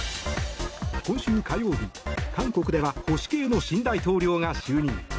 今週火曜日、韓国では保守系の新大統領が就任。